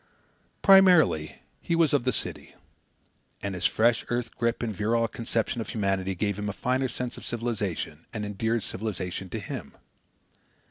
Primarily, he was of the city. And his fresh earth grip and virile conception of humanity gave him a finer sense of civilization and endeared civilization to him.